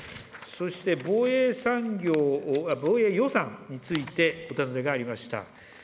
そして、防衛予算についてお尋ねがありました。